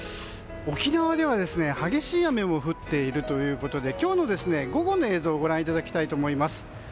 沖縄では激しい雨も降っているということで今日の午後の映像をご覧いただきたいと思います。